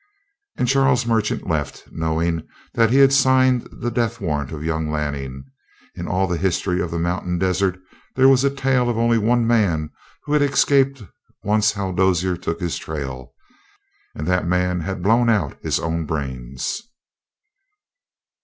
And Charles Merchant left, knowing that he had signed the death warrant of young Lanning. In all the history of the mountain desert there was a tale of only one man who had escaped, once Hal Dozier took his trail, and that man had blown out his own brains.